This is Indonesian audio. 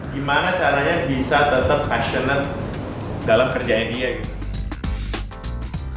gimana caranya bisa tetap passionate dalam kerjanya dia gitu